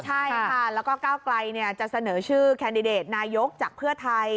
ใช่ค่ะแล้วก็ก้าวไกลจะเสนอชื่อแคนดิเดตนายกจากเพื่อไทย